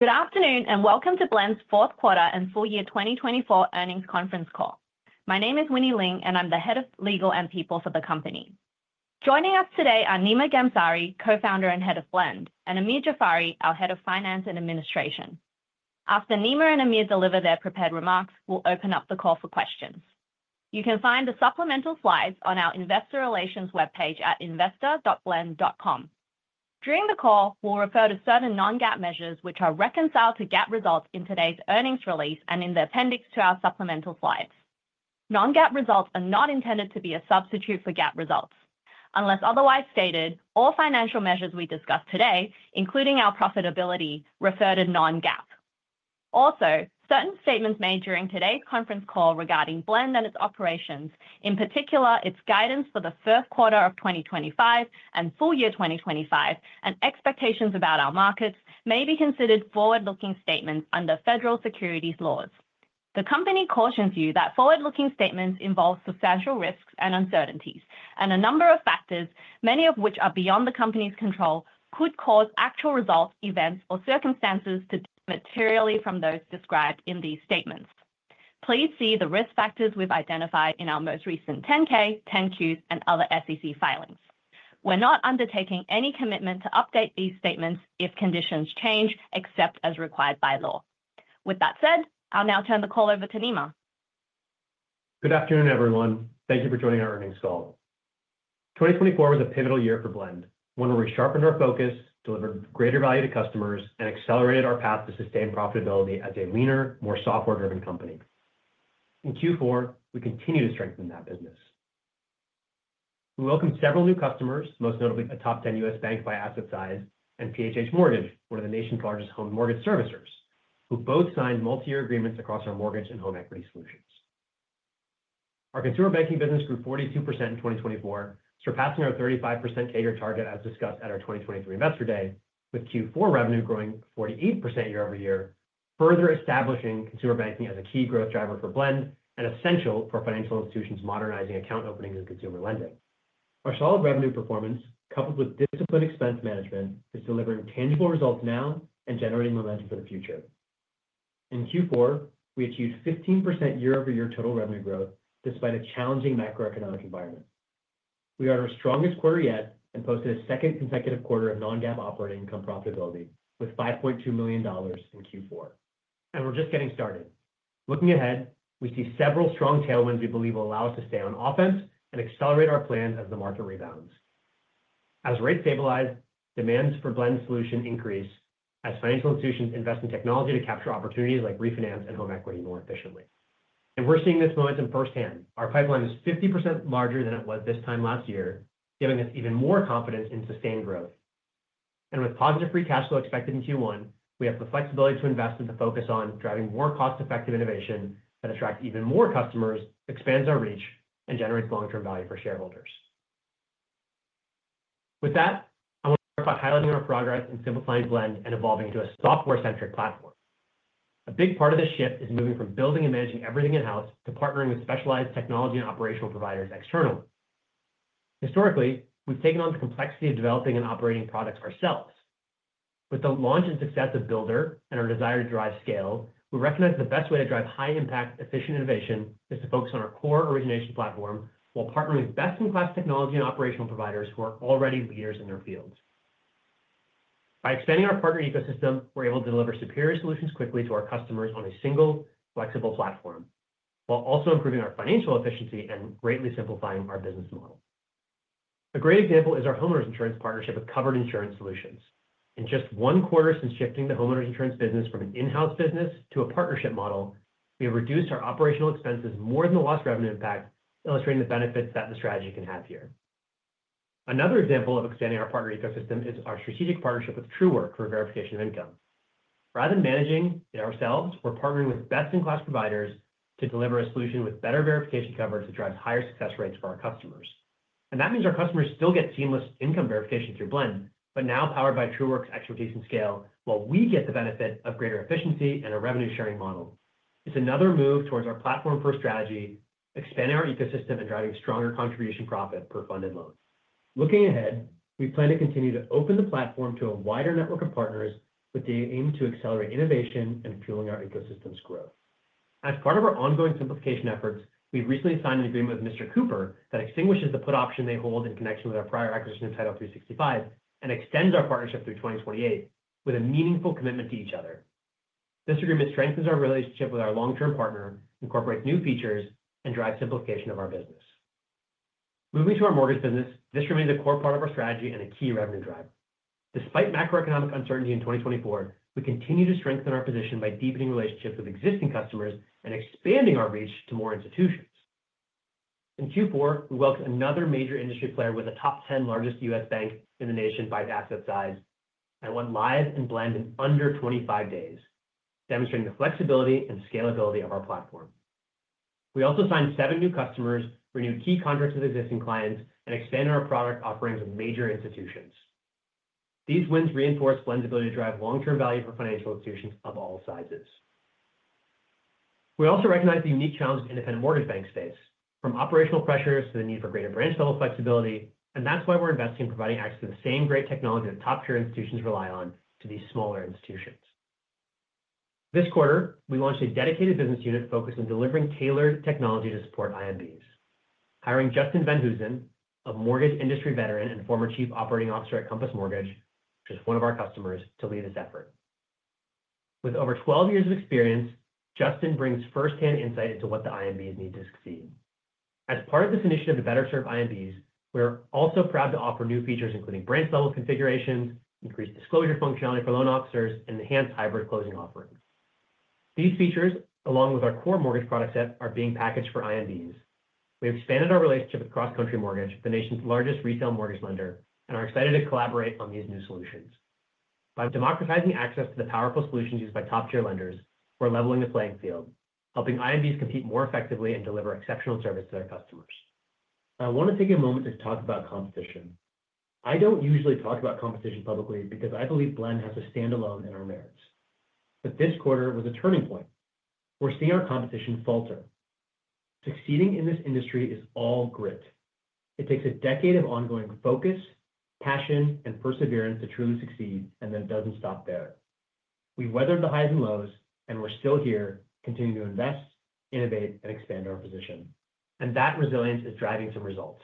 Good afternoon and welcome to Blend's Fourth Quarter and Full Year 2024 Earnings Conference Call. My name is Winnie Ling, and I'm the Head of Legal and People for the company. Joining us today are Nima Ghamsari, Co-founder and Head of Blend, and Amir Jafari, our Head of Finance and Administration. After Nima and Amir deliver their prepared remarks, we'll open up the call for questions. You can find the supplemental slides on our Investor Relations webpage at investor.blend.com. During the call, we'll refer to certain non-GAAP measures which are reconciled to GAAP results in today's earnings release and in the appendix to our supplemental slides. Non-GAAP results are not intended to be a substitute for GAAP results. Unless otherwise stated, all financial measures we discuss today, including our profitability, refer to non-GAAP. Also, certain statements made during today's conference call regarding Blend and its operations, in particular its guidance for the first quarter of 2025 and full year 2025, and expectations about our markets, may be considered forward-looking statements under federal securities laws. The company cautions you that forward-looking statements involve substantial risks and uncertainties, and a number of factors, many of which are beyond the company's control, could cause actual results, events, or circumstances to deviate materially from those described in these statements. Please see the risk factors we've identified in our most recent 10-K, 10-Q, and other SEC filings. We're not undertaking any commitment to update these statements if conditions change, except as required by law. With that said, I'll now turn the call over to Nima. Good afternoon, everyone. Thank you for joining our earnings call. 2024 was a pivotal year for Blend, one where we sharpened our focus, delivered greater value to customers, and accelerated our path to sustained profitability as a leaner, more software-driven company. In Q4, we continue to strengthen that business. We welcomed several new customers, most notably a top 10 U.S. bank by asset size, and PHH Mortgage, one of the nation's largest home mortgage servicers, who both signed multi-year agreements across our mortgage and home equity solutions. Our consumer banking business grew 42% in 2024, surpassing our 35% CAGR target as discussed at our 2023 Investor Day, with Q4 revenue growing 48% year-over-year, further establishing consumer banking as a key growth driver for Blend and essential for financial institutions modernizing account openings and consumer lending. Our solid revenue performance, coupled with disciplined expense management, is delivering tangible results now and generating momentum for the future. In Q4, we achieved 15% year-over-year total revenue growth despite a challenging macroeconomic environment. We are at our strongest quarter yet and posted a second consecutive quarter of non-GAAP operating income profitability with $5.2 million in Q4. We are just getting started. Looking ahead, we see several strong tailwinds we believe will allow us to stay on offense and accelerate our plan as the market rebounds. As rates stabilize, demands for Blend's solution increase as financial institutions invest in technology to capture opportunities like refinance and home equity more efficiently. We are seeing this momentum firsthand. Our pipeline is 50% larger than it was this time last year, giving us even more confidence in sustained growth. With positive free cash flow expected in Q1, we have the flexibility to invest and to focus on driving more cost-effective innovation that attracts even more customers, expands our reach, and generates long-term value for shareholders. With that, I want to start by highlighting our progress in simplifying Blend and evolving into a software-centric platform. A big part of this shift is moving from building and managing everything in-house to partnering with specialized technology and operational providers externally. Historically, we've taken on the complexity of developing and operating products ourselves. With the launch and success of Builder and our desire to drive scale, we recognize the best way to drive high-impact, efficient innovation is to focus on our core origination platform while partnering with best-in-class technology and operational providers who are already leaders in their fields. By expanding our partner ecosystem, we're able to deliver superior solutions quickly to our customers on a single, flexible platform while also improving our financial efficiency and greatly simplifying our business model. A great example is our homeowners insurance partnership with Covered Insurance Solutions. In just one quarter since shifting the homeowners insurance business from an in-house business to a partnership model, we have reduced our operational expenses more than the lost revenue impact, illustrating the benefits that the strategy can have here. Another example of expanding our partner ecosystem is our strategic partnership with Truework for verification of income. Rather than managing it ourselves, we're partnering with best-in-class providers to deliver a solution with better verification coverage that drives higher success rates for our customers. That means our customers still get seamless income verification through Blend, but now powered by Truework's expertise and scale, while we get the benefit of greater efficiency and a revenue-sharing model. It is another move towards our platform-first strategy, expanding our ecosystem and driving stronger contribution profit per funded loan. Looking ahead, we plan to continue to open the platform to a wider network of partners with the aim to accelerate innovation and fueling our ecosystem's growth. As part of our ongoing simplification efforts, we have recently signed an agreement with Mr. Cooper that extinguishes the put option they hold in connection with our prior acquisition of Title 365 and extends our partnership through 2028 with a meaningful commitment to each other. This agreement strengthens our relationship with our long-term partner, incorporates new features, and drives simplification of our business. Moving to our mortgage business, this remains a core part of our strategy and a key revenue driver. Despite macroeconomic uncertainty in 2024, we continue to strengthen our position by deepening relationships with existing customers and expanding our reach to more institutions. In Q4, we welcomed another major industry player with a top 10 largest U.S. bank in the nation by asset size and went live in Blend in under 25 days, demonstrating the flexibility and scalability of our platform. We also signed seven new customers, renewed key contracts with existing clients, and expanded our product offerings with major institutions. These wins reinforce Blend's ability to drive long-term value for financial institutions of all sizes. We also recognize the unique challenges in the independent mortgage bank space, from operational pressures to the need for greater branch-level flexibility, and that's why we're investing in providing access to the same great technology that top-tier institutions rely on to these smaller institutions. This quarter, we launched a dedicated business unit focused on delivering tailored technology to support IMBs. Hiring Justin Venhousen, a mortgage industry veteran and former Chief Operating Officer at Compass Mortgage, which is one of our customers, to lead this effort. With over 12 years of experience, Justin brings firsthand insight into what the IMBs need to succeed. As part of this initiative to better serve IMBs, we're also proud to offer new features including branch-level configurations, increased disclosure functionality for loan officers, and enhanced hybrid closing offerings. These features, along with our core mortgage product set, are being packaged for IMBs. We've expanded our relationship with CrossCountry Mortgage, the nation's largest retail mortgage lender, and are excited to collaborate on these new solutions. By democratizing access to the powerful solutions used by top-tier lenders, we're leveling the playing field, helping IMBs compete more effectively and deliver exceptional service to their customers. I want to take a moment to talk about competition. I don't usually talk about competition publicly because I believe Blend has to stand alone in our merits. This quarter was a turning point. We're seeing our competition falter. Succeeding in this industry is all grit. It takes a decade of ongoing focus, passion, and perseverance to truly succeed, and then it doesn't stop there. We've weathered the highs and lows, and we're still here, continuing to invest, innovate, and expand our position. That resilience is driving some results.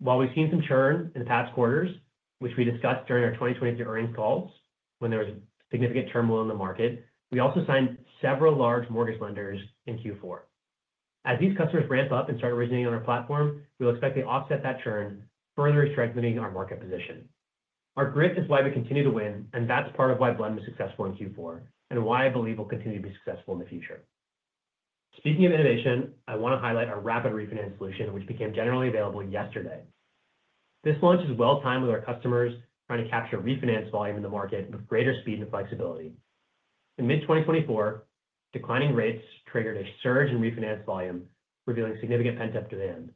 While we've seen some churn in the past quarters, which we discussed during our 2023 earnings calls when there was significant turmoil in the market, we also signed several large mortgage lenders in Q4. As these customers ramp up and start originating on our platform, we'll expect to offset that churn further, strengthening our market position. Our grit is why we continue to win, and that's part of why Blend was successful in Q4 and why I believe we'll continue to be successful in the future. Speaking of innovation, I want to highlight our Rapid Refinance solution, which became generally available yesterday. This launch is well-timed with our customers trying to capture refinance volume in the market with greater speed and flexibility. In mid-2024, declining rates triggered a surge in refinance volume, revealing significant pent-up demand.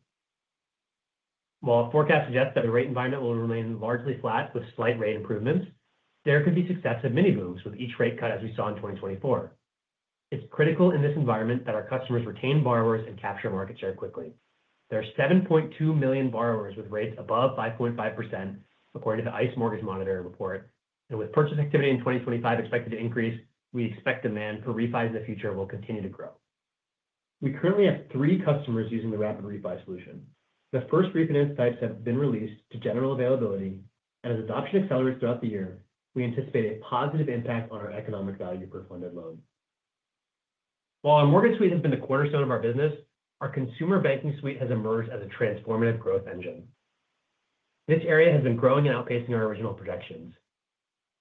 While a forecast suggests that the rate environment will remain largely flat with slight rate improvements, there could be successive mini-booms with each rate cut as we saw in 2024. It's critical in this environment that our customers retain borrowers and capture market share quickly. There are 7.2 million borrowers with rates above 5.5%, according to the ICE Mortgage Monitor report, and with purchase activity in 2025 expected to increase, we expect demand for refis in the future will continue to grow. We currently have three customers using the rapid refis solution. The first refinance types have been released to general availability, and as adoption accelerates throughout the year, we anticipate a positive impact on our economic value per funded loan. While our Mortgage Suite has been the cornerstone of our business, our Consumer Banking Suite has emerged as a transformative growth engine. This area has been growing and outpacing our original projections.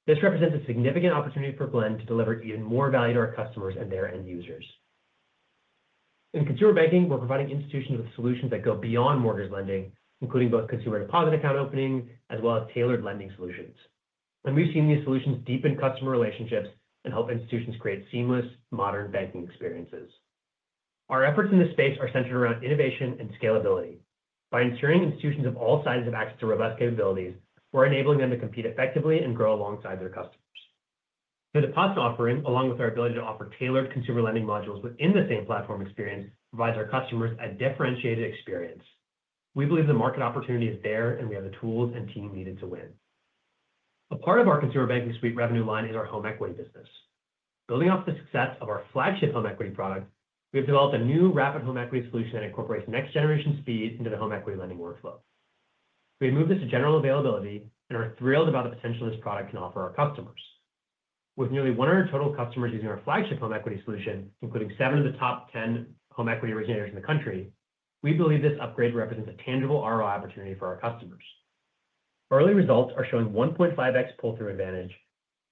This represents a significant opportunity for Blend to deliver even more value to our customers and their end users. In consumer banking, we're providing institutions with solutions that go beyond mortgage lending, including both consumer deposit account opening as well as tailored lending solutions. We've seen these solutions deepen customer relationships and help institutions create seamless, modern banking experiences. Our efforts in this space are centered around innovation and scalability. By ensuring institutions of all sizes have access to robust capabilities, we're enabling them to compete effectively and grow alongside their customers. The deposit offering, along with our ability to offer tailored consumer lending modules within the same platform experience, provides our customers a differentiated experience. We believe the market opportunity is there, and we have the tools and team needed to win. A part of our Consumer Banking Suite revenue line is our home equity business. Building off the success of our flagship home equity product, we have developed a new Rapid Home Equity solution that incorporates next-generation speed into the home equity lending workflow. We have moved this to general availability and are thrilled about the potential this product can offer our customers. With nearly 100 total customers using our flagship home equity solution, including seven of the top 10 home equity originators in the country, we believe this upgrade represents a tangible ROI opportunity for our customers. Early results are showing 1.5x pull-through advantage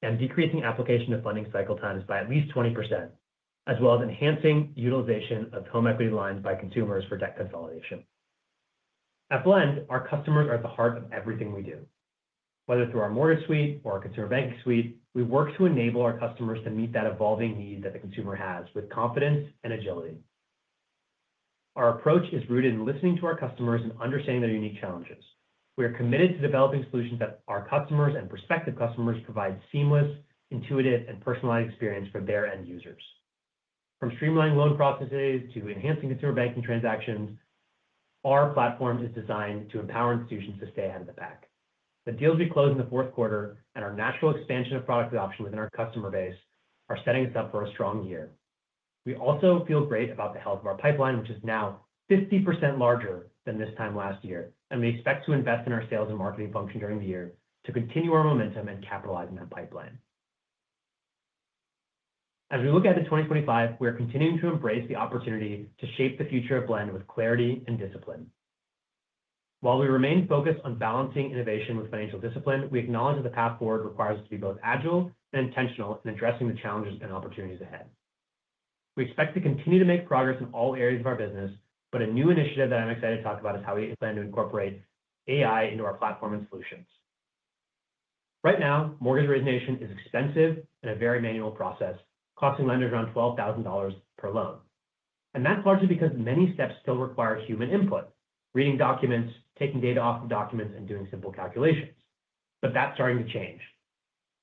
and decreasing application to funding cycle times by at least 20%, as well as enhancing utilization of home equity lines by consumers for debt consolidation. At Blend, our customers are at the heart of everything we do. Whether through our Mortgage Suite or our Consumer Banking Suite, we work to enable our customers to meet that evolving need that the consumer has with confidence and agility. Our approach is rooted in listening to our customers and understanding their unique challenges. We are committed to developing solutions that help our customers and prospective customers provide seamless, intuitive, and personalized experience for their end users. From streamlining loan processes to enhancing consumer banking transactions, our platform is designed to empower institutions to stay ahead of the pack. The deals we close in the fourth quarter and our natural expansion of product adoption within our customer base are setting us up for a strong year. We also feel great about the health of our pipeline, which is now 50% larger than this time last year, and we expect to invest in our sales and marketing function during the year to continue our momentum and capitalize on that pipeline. As we look ahead to 2025, we are continuing to embrace the opportunity to shape the future of Blend with clarity and discipline. While we remain focused on balancing innovation with financial discipline, we acknowledge that the path forward requires us to be both agile and intentional in addressing the challenges and opportunities ahead. We expect to continue to make progress in all areas of our business, but a new initiative that I'm excited to talk about is how we plan to incorporate AI into our platform and solutions. Right now, mortgage origination is expensive and a very manual process, costing lenders around $12,000 per loan. That is largely because many steps still require human input, reading documents, taking data off of documents, and doing simple calculations. That is starting to change.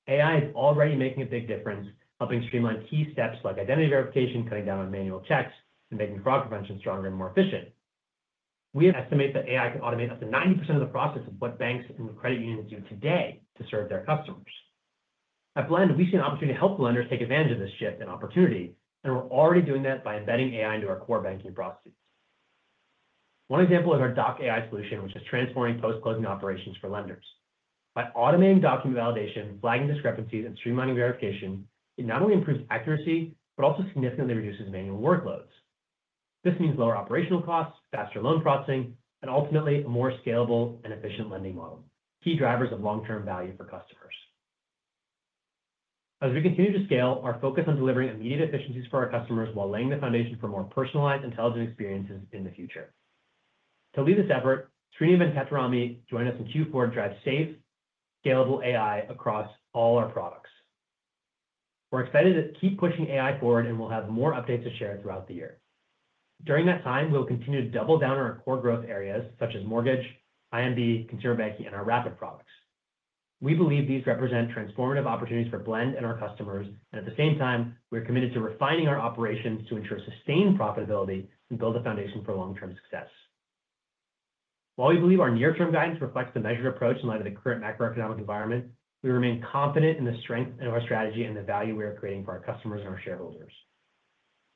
AI is already making a big difference, helping streamline key steps like identity verification, cutting down on manual checks, and making fraud prevention stronger and more efficient. We estimate that AI can automate up to 90% of the process of what banks and credit unions do today to serve their customers. At Blend, we see an opportunity to help lenders take advantage of this shift and opportunity, and we are already doing that by embedding AI into our core banking processes. One example is our Doc AI solution, which is transforming post-closing operations for lenders. By automating document validation, flagging discrepancies, and streamlining verification, it not only improves accuracy, but also significantly reduces manual workloads. This means lower operational costs, faster loan processing, and ultimately a more scalable and efficient lending model, key drivers of long-term value for customers. As we continue to scale, our focus is on delivering immediate efficiencies for our customers while laying the foundation for more personalized, intelligent experiences in the future. To lead this effort, Srini Venkatramani joins us in Q4 to drive safe, scalable AI across all our products. We're excited to keep pushing AI forward, and we'll have more updates to share throughout the year. During that time, we'll continue to double down on our core growth areas such as mortgage, IMB, consumer banking, and our rapid products. We believe these represent transformative opportunities for Blend and our customers, and at the same time, we're committed to refining our operations to ensure sustained profitability and build a foundation for long-term success. While we believe our near-term guidance reflects the measured approach in light of the current macroeconomic environment, we remain confident in the strength of our strategy and the value we are creating for our customers and our shareholders.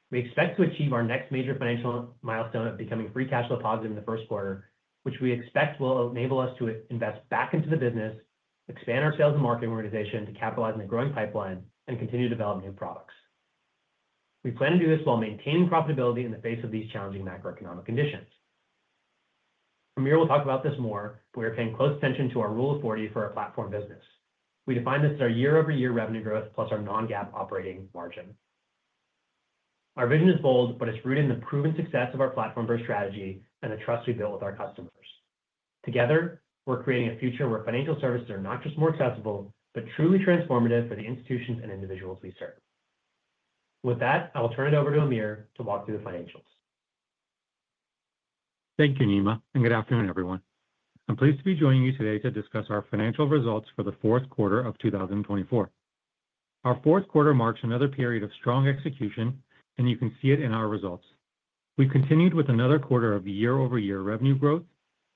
We expect to achieve our next major financial milestone of becoming free cash flow positive in the first quarter, which we expect will enable us to invest back into the business, expand our sales and marketing organization to capitalize on the growing pipeline, and continue to develop new products. We plan to do this while maintaining profitability in the face of these challenging macroeconomic conditions. Amir will talk about this more, but we are paying close attention to our Rule of 40 for our platform business. We define this as our year-over-year revenue growth plus our non-GAAP operating margin. Our vision is bold, but it's rooted in the proven success of our platform for strategy and the trust we built with our customers. Together, we're creating a future where financial services are not just more accessible, but truly transformative for the institutions and individuals we serve. With that, I will turn it over to Amir to walk through the financials. Thank you, Nima, and good afternoon, everyone. I'm pleased to be joining you today to discuss our financial results for the fourth quarter of 2024. Our fourth quarter marks another period of strong execution, and you can see it in our results. We've continued with another quarter of year-over-year revenue growth.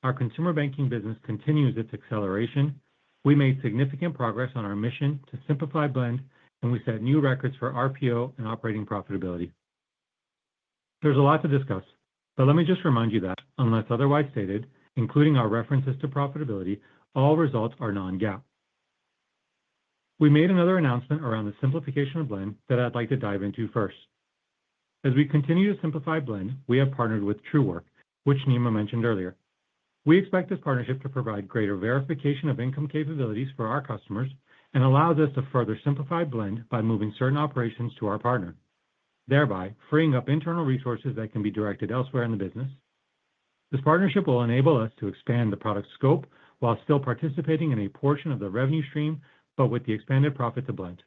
Our consumer banking business continues its acceleration. We made significant progress on our mission to simplify Blend, and we set new records for RPO and operating profitability. There's a lot to discuss, but let me just remind you that, unless otherwise stated, including our references to profitability, all results are non-GAAP. We made another announcement around the simplification of Blend that I'd like to dive into first. As we continue to simplify Blend, we have partnered with Truework, which Nima mentioned earlier. We expect this partnership to provide greater verification of income capabilities for our customers and allows us to further simplify Blend by moving certain operations to our partner, thereby freeing up internal resources that can be directed elsewhere in the business. This partnership will enable us to expand the product scope while still participating in a portion of the revenue stream, but with the expanded profit to Blend.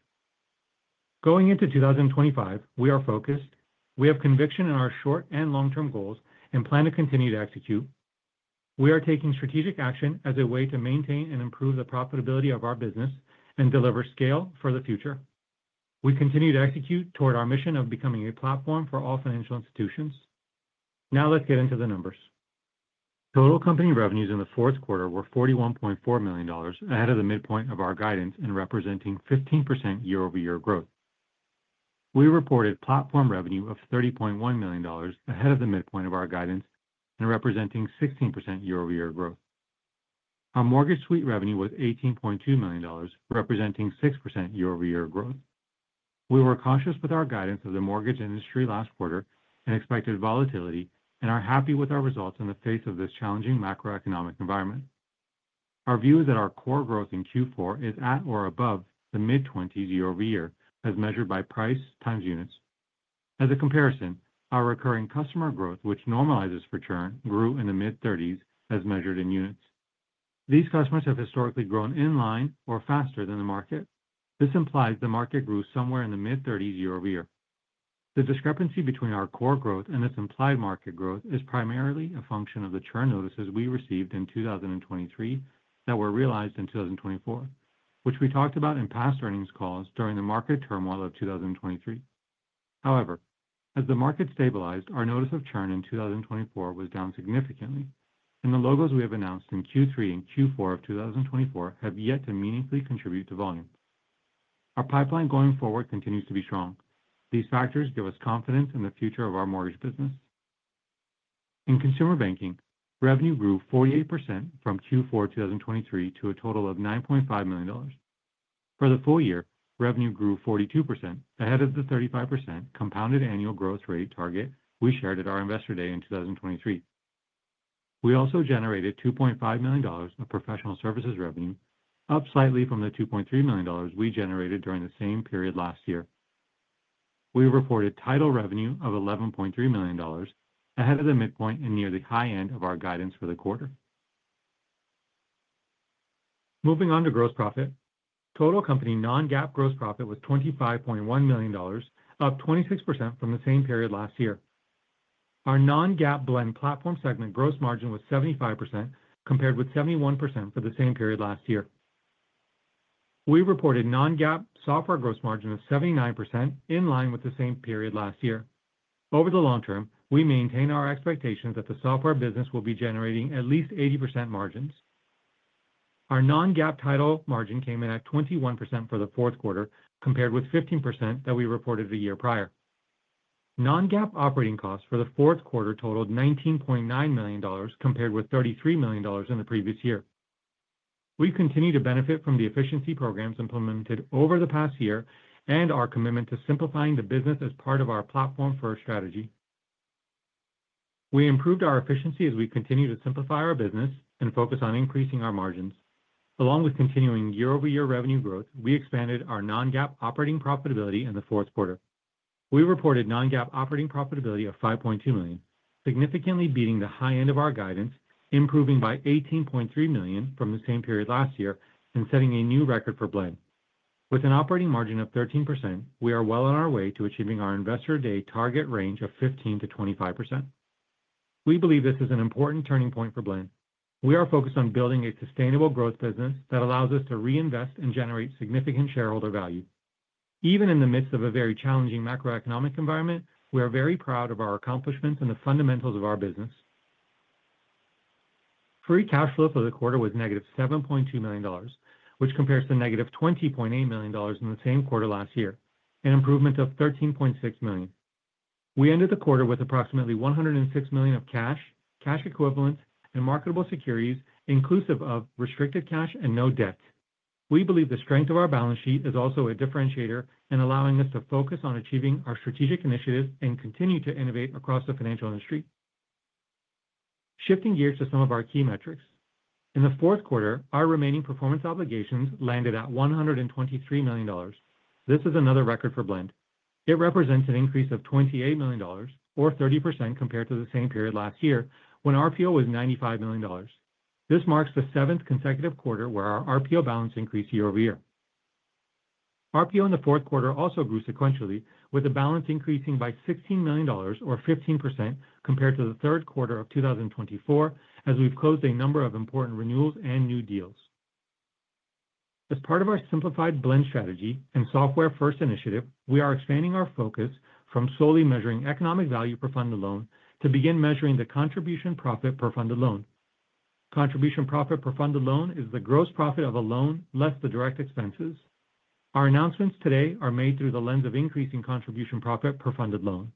Going into 2025, we are focused. We have conviction in our short and long-term goals and plan to continue to execute. We are taking strategic action as a way to maintain and improve the profitability of our business and deliver scale for the future. We continue to execute toward our mission of becoming a platform for all financial institutions. Now let's get into the numbers. Total company revenues in the fourth quarter were $41.4 million ahead of the midpoint of our guidance and representing 15% year-over-year growth. We reported platform revenue of $30.1 million ahead of the midpoint of our guidance and representing 16% year-over-year growth. Our Mortgage Suite revenue was $18.2 million, representing 6% year-over-year growth. We were cautious with our guidance of the mortgage industry last quarter and expected volatility, and are happy with our results in the face of this challenging macroeconomic environment. Our view is that our core growth in Q4 is at or above the mid-20s year-over-year, as measured by price times units. As a comparison, our recurring customer growth, which normalizes for churn, grew in the mid-30s, as measured in units. These customers have historically grown in line or faster than the market. This implies the market grew somewhere in the mid-30s year-over-year. The discrepancy between our core growth and this implied market growth is primarily a function of the churn notices we received in 2023 that were realized in 2024, which we talked about in past earnings calls during the market turmoil of 2023. However, as the market stabilized, our notice of churn in 2024 was down significantly, and the logos we have announced in Q3 and Q4 of 2024 have yet to meaningfully contribute to volume. Our pipeline going forward continues to be strong. These factors give us confidence in the future of our mortgage business. In consumer banking, revenue grew 48% from Q4 2023 to a total of $9.5 million. For the full year, revenue grew 42% ahead of the 35% compounded annual growth rate target we shared at our investor day in 2023. We also generated $2.5 million of professional services revenue, up slightly from the $2.3 million we generated during the same period last year. We reported title revenue of $11.3 million ahead of the midpoint and near the high end of our guidance for the quarter. Moving on to gross profit, total company non-GAAP gross profit was $25.1 million, up 26% from the same period last year. Our non-GAAP Blend Platform segment gross margin was 75%, compared with 71% for the same period last year. We reported non-GAAP software gross margin of 79%, in line with the same period last year. Over the long term, we maintain our expectations that the software business will be generating at least 80% margins. Our non-GAAP title margin came in at 21% for the fourth quarter, compared with 15% that we reported the year prior. Non-GAAP operating costs for the fourth quarter totaled $19.9 million, compared with $33 million in the previous year. We continue to benefit from the efficiency programs implemented over the past year and our commitment to simplifying the business as part of our platform for our strategy. We improved our efficiency as we continue to simplify our business and focus on increasing our margins. Along with continuing year-over-year revenue growth, we expanded our non-GAAP operating profitability in the fourth quarter. We reported non-GAAP operating profitability of $5.2 million, significantly beating the high end of our guidance, improving by $18.3 million from the same period last year and setting a new record for Blend. With an operating margin of 13%, we are well on our way to achieving our investor day target range of 15%-25%. We believe this is an important turning point for Blend. We are focused on building a sustainable growth business that allows us to reinvest and generate significant shareholder value. Even in the midst of a very challenging macroeconomic environment, we are very proud of our accomplishments and the fundamentals of our business. Free cash flow for the quarter was negative $7.2 million, which compares to negative $20.8 million in the same quarter last year, an improvement of $13.6 million. We ended the quarter with approximately $106 million of cash, cash equivalents, and marketable securities, inclusive of restricted cash and no debt. We believe the strength of our balance sheet is also a differentiator in allowing us to focus on achieving our strategic initiatives and continue to innovate across the financial industry. Shifting gears to some of our key metrics. In the fourth quarter, our remaining performance obligations landed at $123 million. This is another record for Blend. It represents an increase of $28 million, or 30% compared to the same period last year when RPO was $95 million. This marks the seventh consecutive quarter where our RPO balance increased year-over-year. RPO in the fourth quarter also grew sequentially, with the balance increasing by $16 million, or 15%, compared to the third quarter of 2024, as we've closed a number of important renewals and new deals. As part of our simplified Blend strategy and software-first initiative, we are expanding our focus from solely measuring economic value per funded loan to begin measuring the contribution profit per funded loan. Contribution profit per funded loan is the gross profit of a loan less the direct expenses. Our announcements today are made through the lens of increasing contribution profit per funded loan.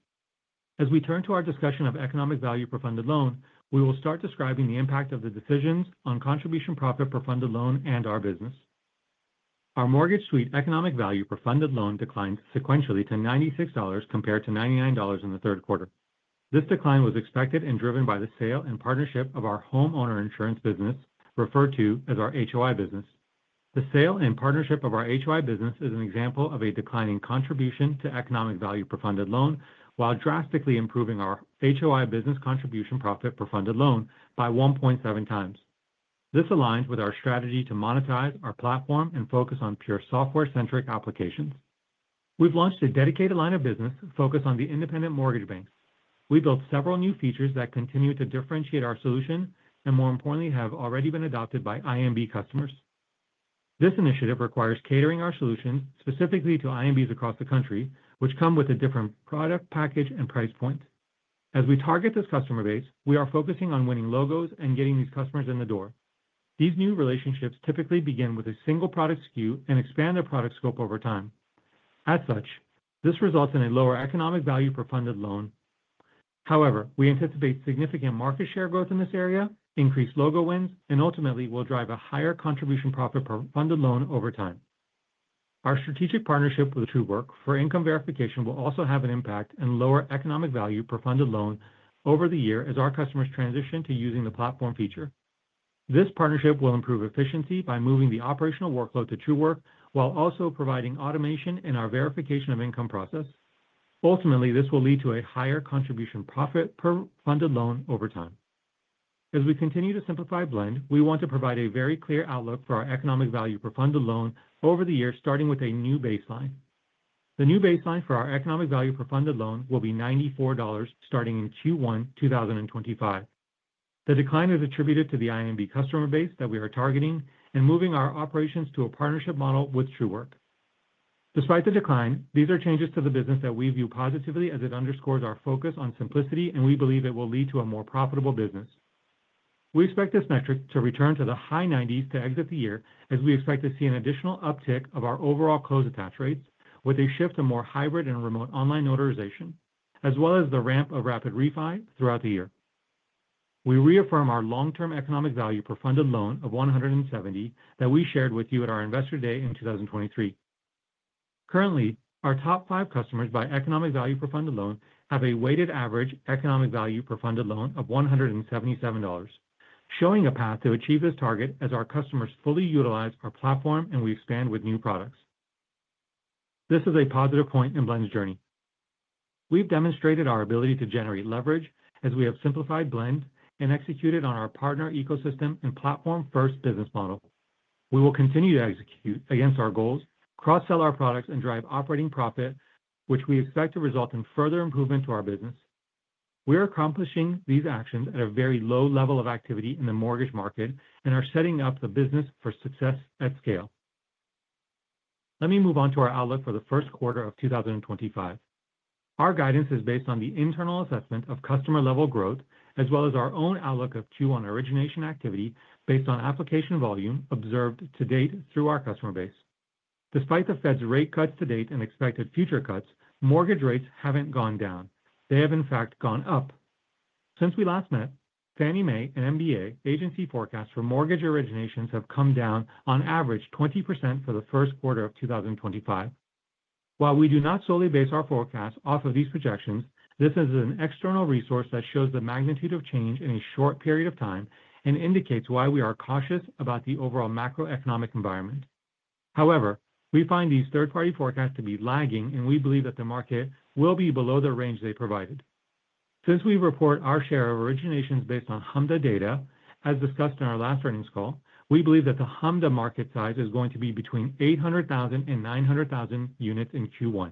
As we turn to our discussion of economic value per funded loan, we will start describing the impact of the decisions on contribution profit per funded loan and our business. Our Mortgage Suite economic value per funded loan declined sequentially to $96 compared to $99 in the third quarter. This decline was expected and driven by the sale and partnership of our homeowner insurance business, referred to as our HOI business. The sale and partnership of our HOI business is an example of a declining contribution to economic value per funded loan while drastically improving our HOI business contribution profit per funded loan by 1.7 times. This aligns with our strategy to monetize our platform and focus on pure software-centric applications. We've launched a dedicated line of business focused on the independent mortgage banks. We built several new features that continue to differentiate our solution and, more importantly, have already been adopted by IMB customers. This initiative requires catering our solutions specifically to IMBs across the country, which come with a different product package and price point. As we target this customer base, we are focusing on winning logos and getting these customers in the door. These new relationships typically begin with a single product SKU and expand their product scope over time. As such, this results in a lower economic value per funded loan. However, we anticipate significant market share growth in this area, increased logo wins, and ultimately will drive a higher contribution profit per funded loan over time. Our strategic partnership with Truework for income verification will also have an impact and lower economic value per funded loan over the year as our customers transition to using the platform feature. This partnership will improve efficiency by moving the operational workload to Truework while also providing automation in our verification of income process. Ultimately, this will lead to a higher contribution profit per funded loan over time. As we continue to simplify Blend, we want to provide a very clear outlook for our economic value per funded loan over the year, starting with a new baseline. The new baseline for our economic value per funded loan will be $94 starting in Q1 2025. The decline is attributed to the IMB customer base that we are targeting and moving our operations to a partnership model with Truework. Despite the decline, these are changes to the business that we view positively as it underscores our focus on simplicity, and we believe it will lead to a more profitable business. We expect this metric to return to the high 90s to exit the year, as we expect to see an additional uptick of our overall close attach rates, with a shift to more hybrid and remote online notarization, as well as the ramp of Rapid Refinance throughout the year. We reaffirm our long-term economic value per funded loan of $170 that we shared with you at our Investor D9ay in 2023. Currently, our top five customers by economic value per funded loan have a weighted average economic value per funded loan of $177, showing a path to achieve this target as our customers fully utilize our platform and we expand with new products. This is a positive point in Blend's journey. We've demonstrated our ability to generate leverage as we have simplified Blend and executed on our partner ecosystem and platform-first business model. We will continue to execute against our goals, cross-sell our products, and drive operating profit, which we expect to result in further improvement to our business. We are accomplishing these actions at a very low level of activity in the mortgage market and are setting up the business for success at scale. Let me move on to our outlook for the first quarter of 2025. Our guidance is based on the internal assessment of customer-level growth, as well as our own outlook of Q1 origination activity based on application volume observed to date through our customer base. Despite the Fed's rate cuts to date and expected future cuts, mortgage rates haven't gone down. They have, in fact, gone up. Since we last met, Fannie Mae and MBA agency forecasts for mortgage originations have come down on average 20% for the first quarter of 2025. While we do not solely base our forecasts off of these projections, this is an external resource that shows the magnitude of change in a short period of time and indicates why we are cautious about the overall macroeconomic environment. However, we find these third-party forecasts to be lagging, and we believe that the market will be below the range they provided. Since we report our share of originations based on HMDA data, as discussed in our last earnings call, we believe that the HMDA market size is going to be between 800,000 and 900,000 units in Q1.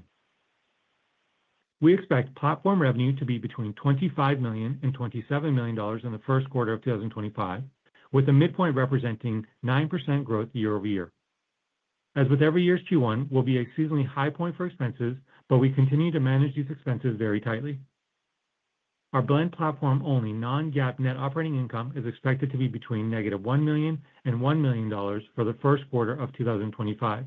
We expect platform revenue to be between $25 million and $27 million in the first quarter of 2025, with the midpoint representing 9% growth year-over-year. As with every year's Q1, we will be at a seasonally high point for expenses, but we continue to manage these expenses very tightly. Our Blend Platform-only non-GAAP net operating income is expected to be between negative $1 million and $1 million for the first quarter of 2025,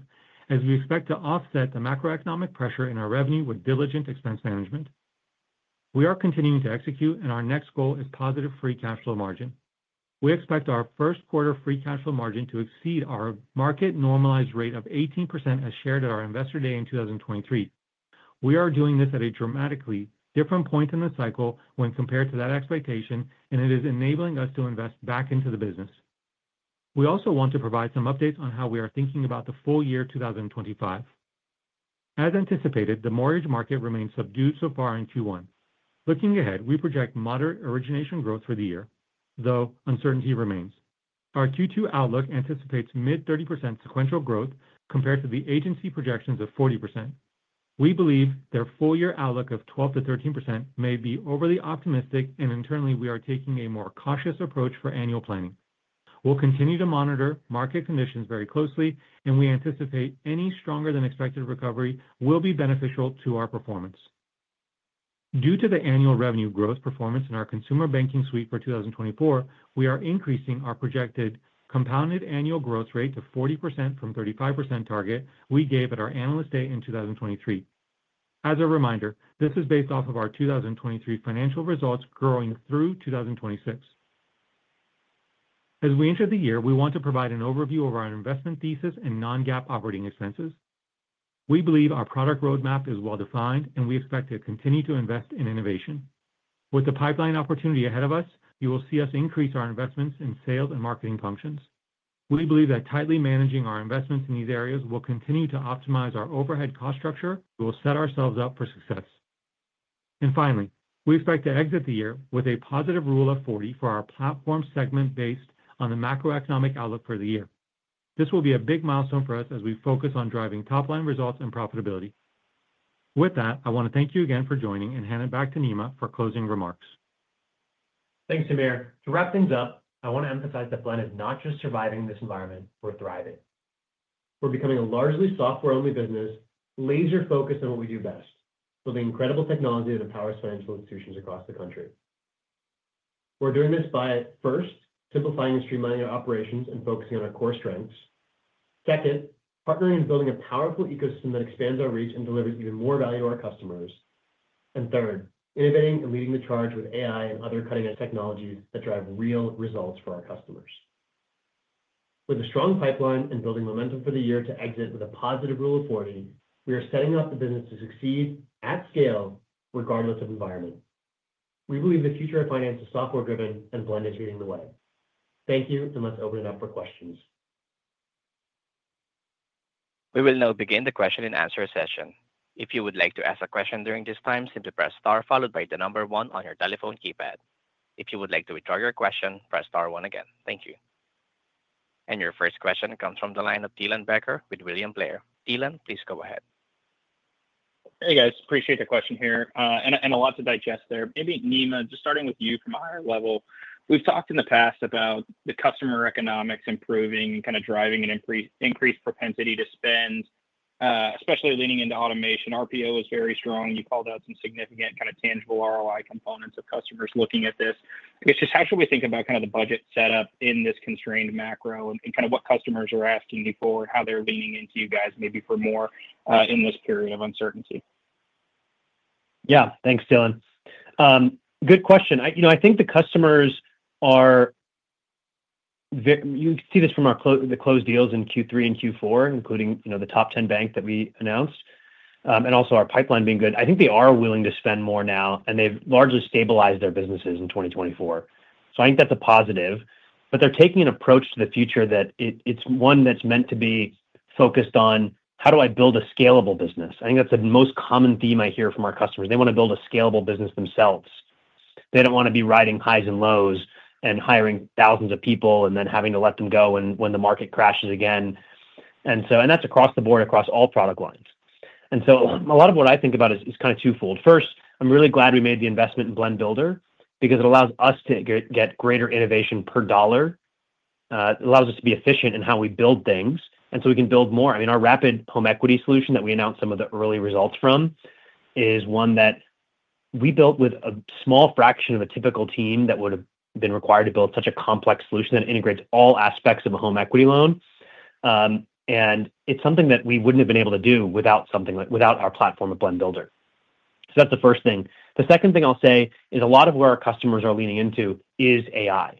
as we expect to offset the macroeconomic pressure in our revenue with diligent expense management. We are continuing to execute, and our next goal is positive free cash flow margin. We expect our first quarter free cash flow margin to exceed our market normalized rate of 18% as shared at our investor day in 2023. We are doing this at a dramatically different point in the cycle when compared to that expectation, and it is enabling us to invest back into the business. We also want to provide some updates on how we are thinking about the full year 2025. As anticipated, the mortgage market remains subdued so far in Q1. Looking ahead, we project moderate origination growth for the year, though uncertainty remains. Our Q2 outlook anticipates mid-30% sequential growth compared to the agency projections of 40%. We believe their full-year outlook of 12%-13% may be overly optimistic, and internally, we are taking a more cautious approach for annual planning. We'll continue to monitor market conditions very closely, and we anticipate any stronger-than-expected recovery will be beneficial to our performance. Due to the annual revenue growth performance in our Consumer Banking Suite for 2024, we are increasing our projected compounded annual growth rate to 40% from the 35% target we gave at our analyst day in 2023. As a reminder, this is based off of our 2023 financial results growing through 2026. As we enter the year, we want to provide an overview of our investment thesis and non-GAAP operating expenses. We believe our product roadmap is well-defined, and we expect to continue to invest in innovation. With the pipeline opportunity ahead of us, you will see us increase our investments in sales and marketing functions. We believe that tightly managing our investments in these areas will continue to optimize our overhead cost structure. We will set ourselves up for success. Finally, we expect to exit the year with a positive Rule of 40 for our platform segment based on the macroeconomic outlook for the year. This will be a big milestone for us as we focus on driving top-line results and profitability. With that, I want to thank you again for joining and hand it back to Nima for closing remarks. Thanks, Amir. To wrap things up, I want to emphasize that Blend is not just surviving this environment; we're thriving. We're becoming a largely software-only business, laser-focused on what we do best, building incredible technology that empowers financial institutions across the country. We're doing this by, first, simplifying and streamlining our operations and focusing on our core strengths. Second, partnering and building a powerful ecosystem that expands our reach and delivers even more value to our customers. Third, innovating and leading the charge with AI and other cutting-edge technologies that drive real results for our customers. With a strong pipeline and building momentum for the year to exit with a positive Rule of 40, we are setting up the business to succeed at scale, regardless of environment. We believe the future of finance is software-driven, and Blend is leading the way. Thank you, and let's open it up for questions. We will now begin the question and answer session. If you would like to ask a question during this time, simply press star followed by the number one on your telephone keypad. If you would like to withdraw your question, press star one again. Thank you. Your first question comes from the line of Dylan Becker with William Blair. Dylan, please go ahead. Hey, guys. Appreciate the question here. A lot to digest there. Maybe, Nima, just starting with you from our level. We've talked in the past about the customer economics improving and kind of driving an increased propensity to spend, especially leaning into automation. RPO was very strong. You called out some significant kind of tangible ROI components of customers looking at this. It's just, how should we think about kind of the budget setup in this constrained macro and kind of what customers are asking you for and how they're leaning into you guys maybe for more in this period of uncertainty? Yeah. Thanks, Dylan. Good question. I think the customers are—you can see this from the closed deals in Q3 and Q4, including the top 10 bank that we announced, and also our pipeline being good. I think they are willing to spend more now, and they've largely stabilized their businesses in 2024. I think that's a positive. They are taking an approach to the future that is one that is meant to be focused on, how do I build a scalable business? I think that is the most common theme I hear from our customers. They want to build a scalable business themselves. They do not want to be riding highs and lows and hiring thousands of people and then having to let them go when the market crashes again. That is across the board, across all product lines. A lot of what I think about is kind of twofold. First, I am really glad we made the investment in Blend Builder because it allows us to get greater innovation per dollar. It allows us to be efficient in how we build things, and we can build more. I mean, our Rapid Home Equity solution that we announced some of the early results from is one that we built with a small fraction of a typical team that would have been required to build such a complex solution that integrates all aspects of a home equity loan. It is something that we would not have been able to do without our platform of Blend Builder. That is the first thing. The second thing I will say is a lot of where our customers are leaning into is AI.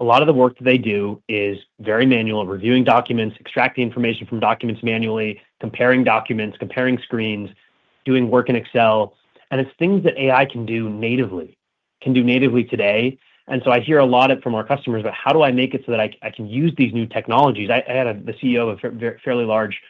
A lot of the work that they do is very manual, reviewing documents, extracting information from documents manually, comparing documents, comparing screens, doing work in Excel. It is things that AI can do natively, can do natively today. I hear a lot of it from our customers about, how do I make it so that I can use these new technologies? I had the CEO of a fairly large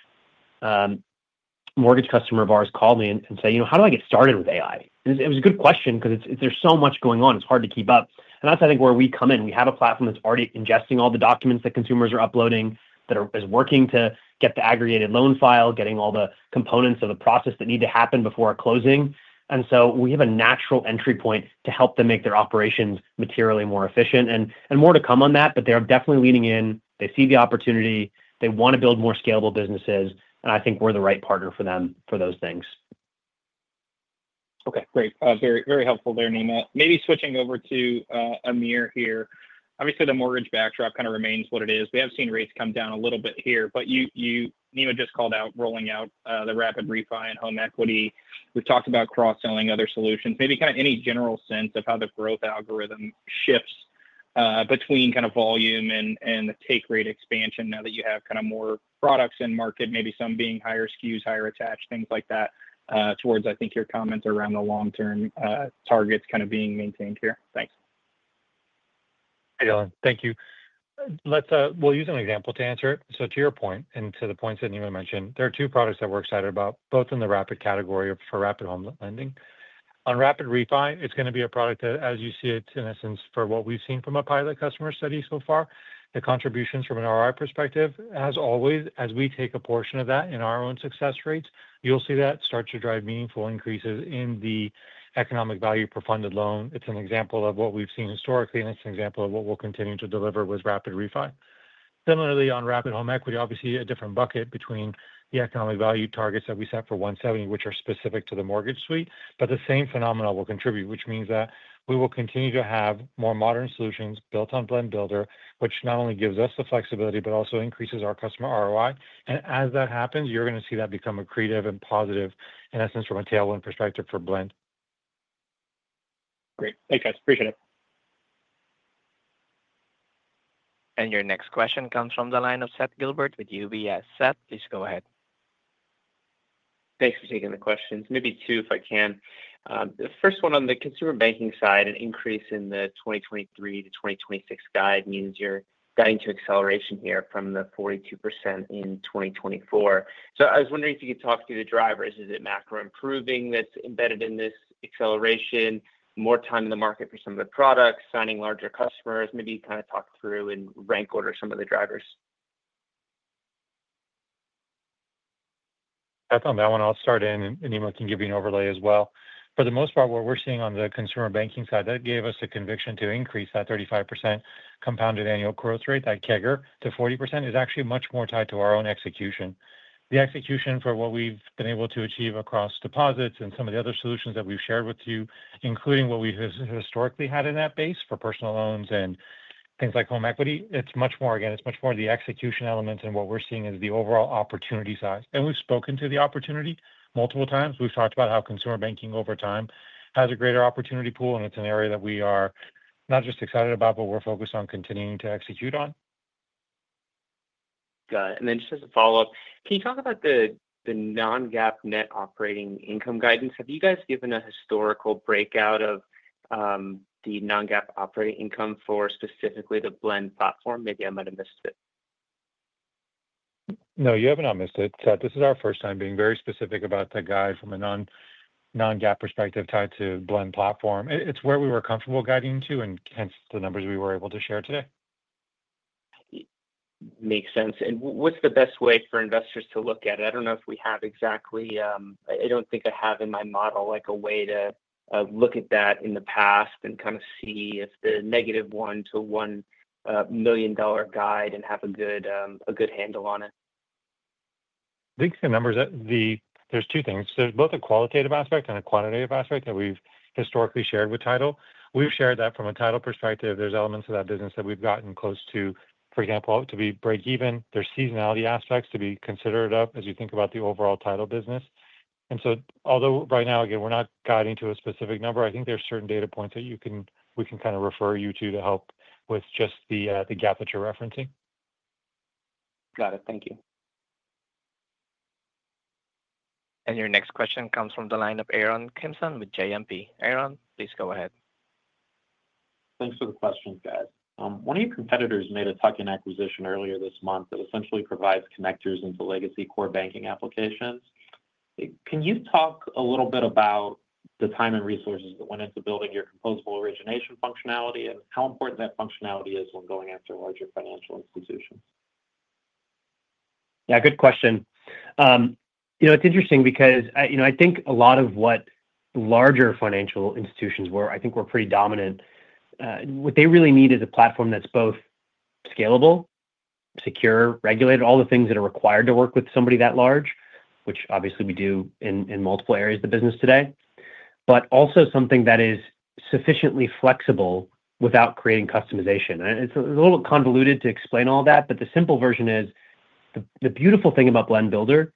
mortgage customer of ours call me and say, "How do I get started with AI?" It was a good question because there's so much going on. It's hard to keep up. I think that's where we come in. We have a platform that's already ingesting all the documents that consumers are uploading, that is working to get the aggregated loan file, getting all the components of the process that need to happen before closing. We have a natural entry point to help them make their operations materially more efficient. More to come on that, but they're definitely leaning in. They see the opportunity. They want to build more scalable businesses. I think we're the right partner for them for those things. Okay. Great. Very helpful there, Nima. Maybe switching over to Amir here. Obviously, the mortgage backdrop kind of remains what it is. We have seen rates come down a little bit here. Nima just called out rolling out the rapid refi and home equity. We've talked about cross-selling other solutions. Maybe kind of any general sense of how the growth algorithm shifts between kind of volume and the take rate expansion now that you have kind of more products in market, maybe some being higher SKUs, higher attached, things like that, towards, I think, your comments around the long-term targets kind of being maintained here. Thanks. Hey, Dylan. Thank you. We'll use an example to answer it. To your point and to the points that Nima mentioned, there are two products that we're excited about, both in the rapid category for rapid home lending. On Rapid Refinance, it's going to be a product that, as you see it, in essence, for what we've seen from a pilot customer study so far, the contributions from an ROI perspective, as always, as we take a portion of that in our own success rates, you'll see that start to drive meaningful increases in the economic value per funded loan. It's an example of what we've seen historically, and it's an example of what we'll continue to deliver with Rapid Refinance. Similarly, on rapid home equity, obviously, a different bucket between the economic value targets that we set for 170, which are specific to the Mortgage Suite, but the same phenomena will contribute, which means that we will continue to have more modern solutions built on Blend Builder, which not only gives us the flexibility, but also increases our customer ROI. As that happens, you're going to see that become accretive and positive, in essence, from a tailwind perspective for Blend. Great. Thanks, guys. Appreciate it. Your next question comes from the line of Seth Gilbert with UBS. Seth, please go ahead. Thanks for taking the questions. Maybe two, if I can. The first one on the consumer banking side, an increase in the 2023 to 2026 guide means you're guiding to acceleration here from the 42% in 2024. I was wondering if you could talk through the drivers. Is it macro improving that's embedded in this acceleration, more time in the market for some of the products, signing larger customers? Maybe you kind of talk through and rank order some of the drivers. I thought that one I'll start in, and Nima can give you an overlay as well. For the most part, what we're seeing on the consumer banking side, that gave us a conviction to increase that 35% compounded annual growth rate, that CAGR to 40%, is actually much more tied to our own execution. The execution for what we've been able to achieve across deposits and some of the other solutions that we've shared with you, including what we've historically had in that base for personal loans and things like home equity, it's much more, again, it's much more the execution elements and what we're seeing as the overall opportunity size. We've spoken to the opportunity multiple times. We've talked about how consumer banking over time has a greater opportunity pool, and it's an area that we are not just excited about, but we're focused on continuing to execute on. Got it. Just as a follow-up, can you talk about the non-GAAP net operating income guidance? Have you guys given a historical breakout of the non-GAAP operating income for specifically the Blend Platform? Maybe I might have missed it. No, you have not missed it. This is our first time being very specific about the guide from a non-GAAP perspective tied to Blend Platform. It's where we were comfortable guiding to, and hence the numbers we were able to share today. Makes sense. What's the best way for investors to look at it? I don't know if we have exactly—I don't think I have in my model a way to look at that in the past and kind of see if the negative $1 million to $1 million guide and have a good handle on it. I think the numbers—there's two things. There's both a qualitative aspect and a quantitative aspect that we've historically shared with Title. We've shared that from a Title perspective. There's elements of that business that we've gotten close to, for example, to be break-even. There's seasonality aspects to be considered up as you think about the overall Title business. Although right now, again, we're not guiding to a specific number, I think there are certain data points that we can kind of refer you to to help with just the gap that you're referencing. Got it. Thank you. Your next question comes from the line of Aaron Kimson with JMP. Aaron, please go ahead. Thanks for the question, guys. One of your competitors made a tuck-in acquisition earlier this month that essentially provides connectors into legacy core banking applications. Can you talk a little bit about the time and resources that went into building your composable origination functionality and how important that functionality is when going after larger financial institutions? Good question. It's interesting because I think a lot of what larger financial institutions were, I think were pretty dominant. What they really need is a platform that's both scalable, secure, regulated, all the things that are required to work with somebody that large, which obviously we do in multiple areas of the business today, but also something that is sufficiently flexible without creating customization. It's a little convoluted to explain all that, but the simple version is the beautiful thing about Blend Builder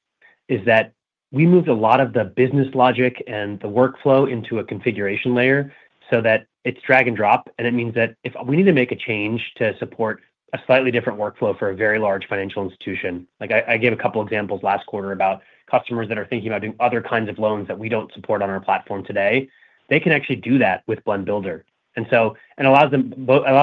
is that we moved a lot of the business logic and the workflow into a configuration layer so that it's drag and drop. It means that if we need to make a change to support a slightly different workflow for a very large financial institution, I gave a couple of examples last quarter about customers that are thinking about doing other kinds of loans that we don't support on our platform today, they can actually do that with Blend Builder. It allows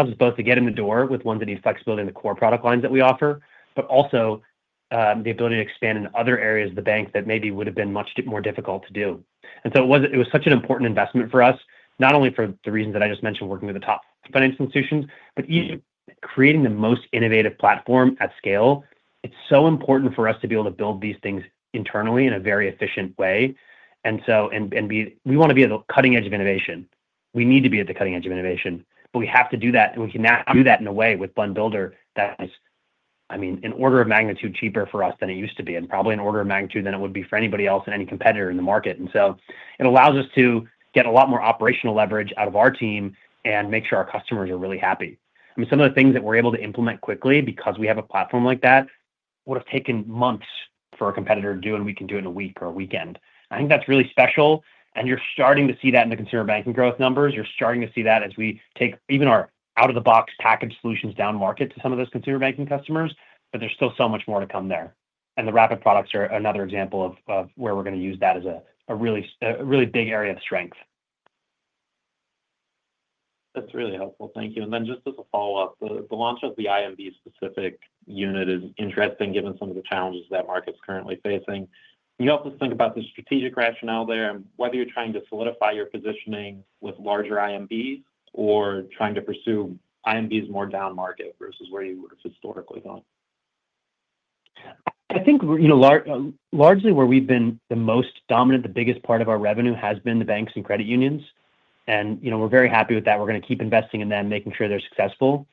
us both to get in the door with ones that need flexibility in the core product lines that we offer, but also the ability to expand in other areas of the bank that maybe would have been much more difficult to do. It was such an important investment for us, not only for the reasons that I just mentioned, working with the top financial institutions, but even creating the most innovative platform at scale. It is so important for us to be able to build these things internally in a very efficient way. We want to be at the cutting edge of innovation. We need to be at the cutting edge of innovation, but we have to do that. We can now do that in a way with Blend Builder that is, I mean, an order of magnitude cheaper for us than it used to be, and probably an order of magnitude than it would be for anybody else and any competitor in the market. It allows us to get a lot more operational leverage out of our team and make sure our customers are really happy. I mean, some of the things that we're able to implement quickly because we have a platform like that would have taken months for a competitor to do, and we can do it in a week or a weekend. I think that's really special. You're starting to see that in the consumer banking growth numbers. You're starting to see that as we take even our out-of-the-box package solutions down market to some of those consumer banking customers, but there's still so much more to come there. The rapid products are another example of where we're going to use that as a really big area of strength. That's really helpful. Thank you. Just as a follow-up, the launch of the IMB-specific unit is interesting given some of the challenges that market's currently facing. Can you help us think about the strategic rationale there and whether you're trying to solidify your positioning with larger IMBs or trying to pursue IMBs more down market versus where you were historically going? I think largely where we've been the most dominant, the biggest part of our revenue has been the banks and credit unions. We're very happy with that. We're going to keep investing in them, making sure they're successful.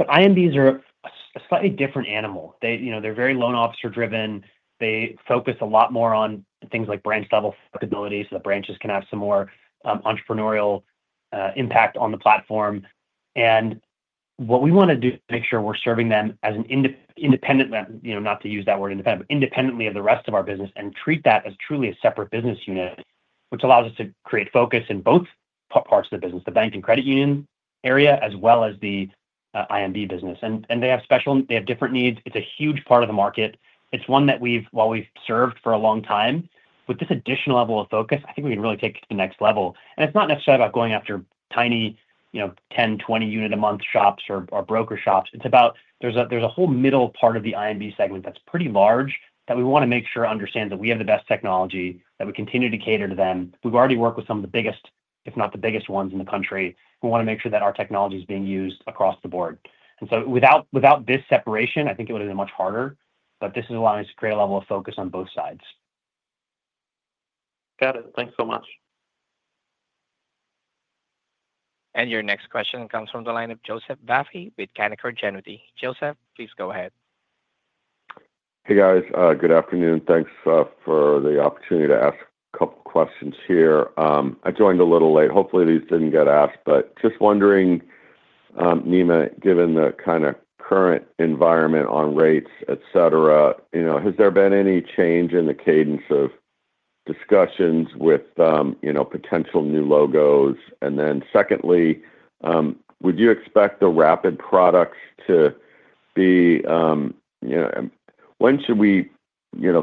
IMBs are a slightly different animal. They're very loan officer-driven. They focus a lot more on things like branch-level flexibility so the branches can have some more entrepreneurial impact on the platform. What we want to do is make sure we're serving them as an independent—not to use that word independent—but independently of the rest of our business and treat that as truly a separate business unit, which allows us to create focus in both parts of the business, the bank and credit union area, as well as the IMB business. They have different needs. It's a huge part of the market. It's one that, while we've served for a long time, with this additional level of focus, I think we can really take it to the next level. It is not necessarily about going after tiny 10, 20 unit-a-month shops or broker shops. There is a whole middle part of the IMB segment that is pretty large that we want to make sure understands that we have the best technology, that we continue to cater to them. We have already worked with some of the biggest, if not the biggest ones in the country. We want to make sure that our technology is being used across the board. Without this separation, I think it would have been much harder. This is allowing us to create a level of focus on both sides. Got it. Thanks so much. Your next question comes from the line of Joseph Vafi with Canaccord Genuity. Joseph, please go ahead. Hey, guys. Good afternoon. Thanks for the opportunity to ask a couple of questions here. I joined a little late. Hopefully, these did not get asked. Just wondering, Nima, given the kind of current environment on rates, etc., has there been any change in the cadence of discussions with potential new logos? Secondly, would you expect the rapid products to be—when should we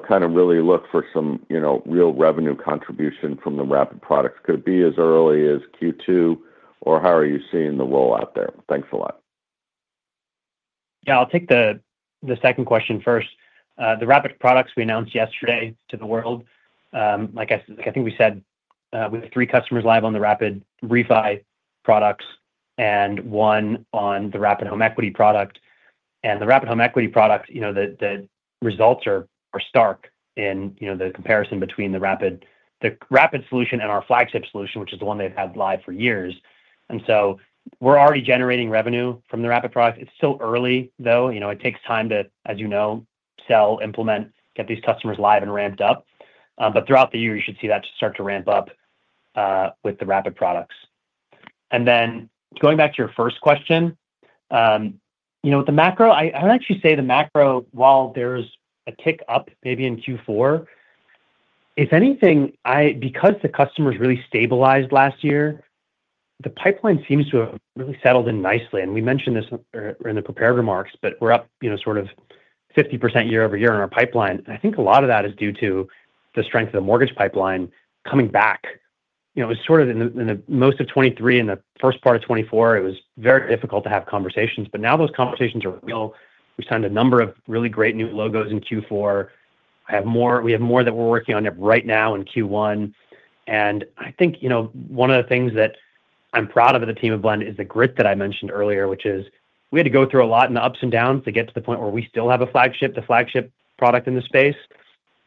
kind of really look for some real revenue contribution from the rapid products? Could it be as early as Q2, or how are you seeing the roll-out there? Thanks a lot. Yeah, I'll take the second question first. The rapid products we announced yesterday to the world, like I think we said, we have three customers live on the rapid refi products and one on the rapid home equity product. The rapid home equity product, the results are stark in the comparison between the rapid solution and our flagship solution, which is the one they have had live for years. We're already generating revenue from the rapid products. It's still early, though. It takes time to, as you know, sell, implement, get these customers live and ramped up. Throughout the year, you should see that start to ramp up with the rapid products. Going back to your first question, with the macro, I would actually say the macro, while there's a tick up maybe in Q4, if anything, because the customers really stabilized last year, the pipeline seems to have really settled in nicely. We mentioned this in the prepared remarks, but we're up sort of 50% year-over-year in our pipeline. I think a lot of that is due to the strength of the mortgage pipeline coming back. It was sort of in most of 2023, in the first part of 2024, it was very difficult to have conversations. Now those conversations are real. We've signed a number of really great new logos in Q4. We have more that we're working on right now in Q1. I think one of the things that I'm proud of at the team of Blend is the grit that I mentioned earlier, which is we had to go through a lot in the ups and downs to get to the point where we still have a flagship product in the space.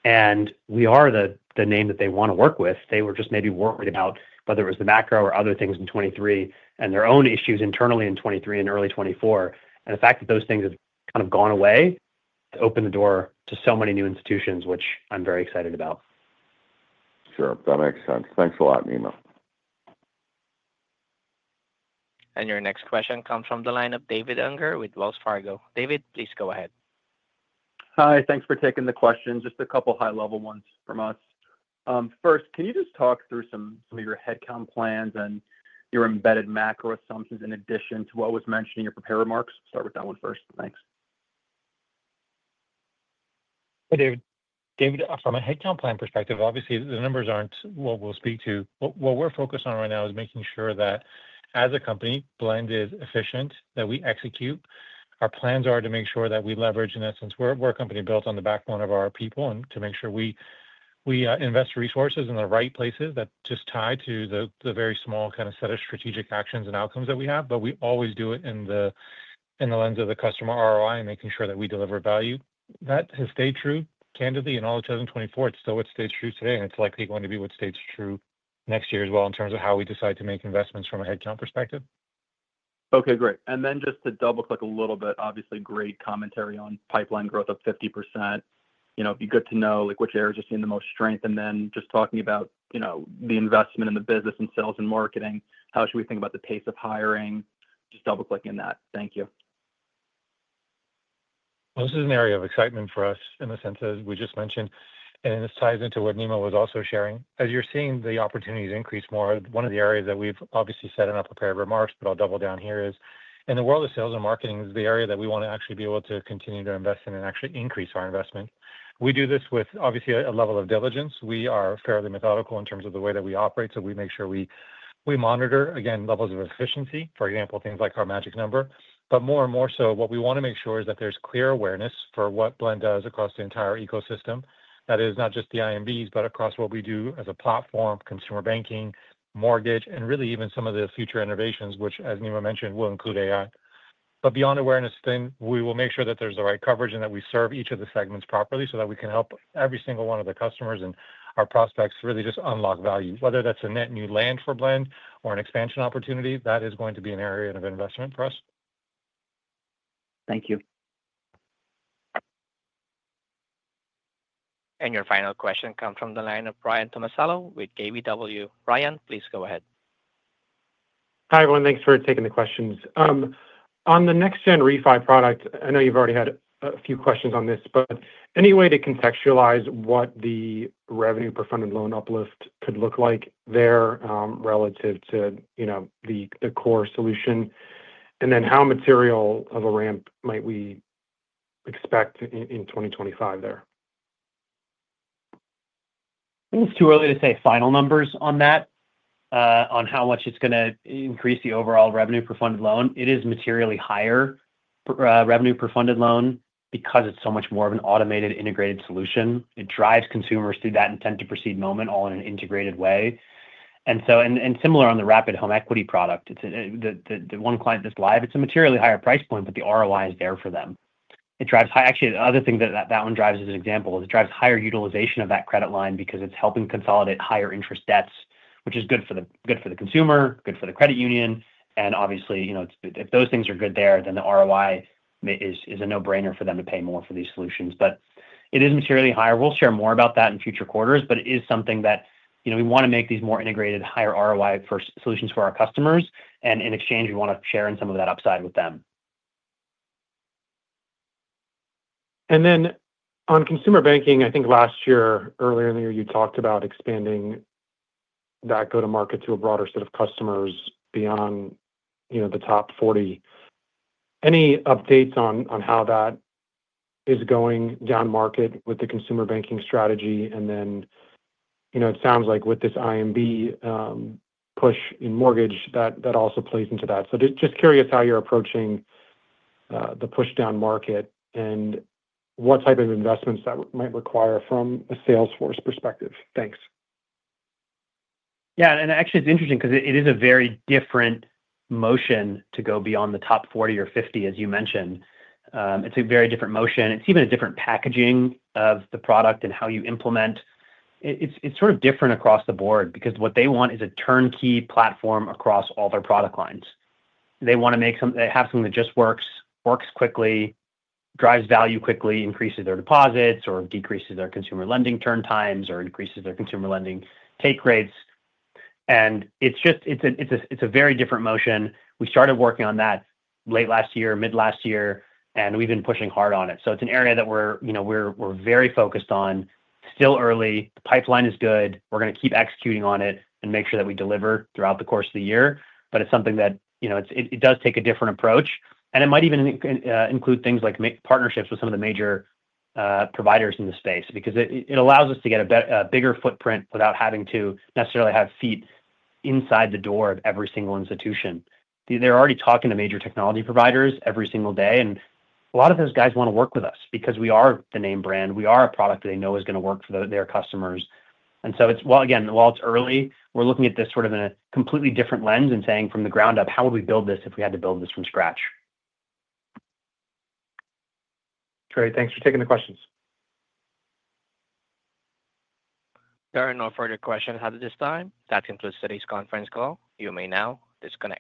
We are the name that they want to work with. They were just maybe worried about whether it was the macro or other things in 2023 and their own issues internally in 2023 and early 2024. The fact that those things have kind of gone away has opened the door to so many new institutions, which I'm very excited about. Sure. That makes sense. Thanks a lot, Nima. Your next question comes from the line of David Unger with Wells Fargo. David, please go ahead. Hi. Thanks for taking the questions. Just a couple of high-level ones from us. First, can you just talk through some of your headcount plans and your embedded macro assumptions in addition to what was mentioned in your prepared remarks? Start with that one first. Thanks. Hey, David. David, from a headcount plan perspective, obviously, the numbers aren't what we'll speak to. What we're focused on right now is making sure that, as a company, Blend is efficient, that we execute. Our plans are to make sure that we leverage, in essence, we're a company built on the backbone of our people and to make sure we invest resources in the right places that just tie to the very small kind of set of strategic actions and outcomes that we have. We always do it in the lens of the customer ROI and making sure that we deliver value. That has stayed true, candidly, in all of 2024. It's still what stays true today, and it's likely going to be what stays true next year as well in terms of how we decide to make investments from a headcount perspective. Great. And then just to double-click a little bit, obviously, great commentary on pipeline growth of 50%. It'd be good to know which areas are seeing the most strength. And then just talking about the investment in the business and sales and marketing, how should we think about the pace of hiring? Just double-clicking that. Thank you. This is an area of excitement for us in the senses we just mentioned. This ties into what Nima was also sharing. As you're seeing the opportunities increase more, one of the areas that we've obviously said in our prepared remarks, but I'll double down here, is in the world of sales and marketing, is the area that we want to actually be able to continue to invest in and actually increase our investment. We do this with, obviously, a level of diligence. We are fairly methodical in terms of the way that we operate. We make sure we monitor, again, levels of efficiency, for example, things like our magic number. More and more so, what we want to make sure is that there's clear awareness for what Blend does across the entire ecosystem. That is not just the IMBs, but across what we do as a platform, consumer banking, mortgage, and really even some of the future innovations, which, as Nima mentioned, will include AI. Beyond awareness, we will make sure that there's the right coverage and that we serve each of the segments properly so that we can help every single one of the customers and our prospects really just unlock value. Whether that's a net new land for Blend or an expansion opportunity, that is going to be an area of investment for us. Thank you. Your final question comes from the line of Ryan Tomasello with KBW. Ryan, please go ahead. Hi, everyone. Thanks for taking the questions. On the next-gen refi product, I know you've already had a few questions on this, but any way to contextualize what the revenue per funded loan uplift could look like there relative to the core solution? Then how material of a ramp might we expect in 2025 there? I think it's too early to say final numbers on that, on how much it's going to increase the overall revenue per funded loan. It is materially higher revenue per funded loan because it's so much more of an automated, integrated solution. It drives consumers through that intent to proceed moment all in an integrated way. Similar on the Rapid Home Equity product, the one client that's live, it's a materially higher price point, but the ROI is there for them. Actually, the other thing that that one drives as an example is it drives higher utilization of that credit line because it's helping consolidate higher interest debts, which is good for the consumer, good for the credit union. Obviously, if those things are good there, then the ROI is a no-brainer for them to pay more for these solutions. It is materially higher. We'll share more about that in future quarters, but it is something that we want to make these more integrated, higher ROI solutions for our customers. In exchange, we want to share in some of that upside with them. On consumer banking, I think last year, earlier in the year, you talked about expanding that go-to-market to a broader set of customers beyond the top 40. Any updates on how that is going down market with the consumer banking strategy? It sounds like with this IMB push in mortgage, that also plays into that. Just curious how you're approaching the push down market and what type of investments that might require from a Salesforce perspective. Thanks. Yeah. Actually, it's interesting because it is a very different motion to go beyond the top 40 or 50, as you mentioned. It's a very different motion. It's even a different packaging of the product and how you implement. It's sort of different across the board because what they want is a turnkey platform across all their product lines. They want to have something that just works quickly, drives value quickly, increases their deposits, or decreases their consumer lending turn times or increases their consumer lending take rates. It's a very different motion. We started working on that late last year, mid-last year, and we've been pushing hard on it. It's an area that we're very focused on. Still early. The pipeline is good. We're going to keep executing on it and make sure that we deliver throughout the course of the year. It's something that it does take a different approach. It might even include things like partnerships with some of the major providers in the space because it allows us to get a bigger footprint without having to necessarily have feet inside the door of every single institution. They are already talking to major technology providers every single day. A lot of those guys want to work with us because we are the name brand. We are a product that they know is going to work for their customers. Again, while it is early, we are looking at this sort of in a completely different lens and saying from the ground up, how would we build this if we had to build this from scratch? Great. Thanks for taking the questions. There are no further questions at this time. That concludes today's conference call. You may now disconnect.